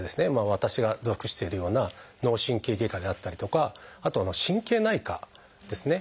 私が属しているような脳神経外科であったりとかあと神経内科ですね。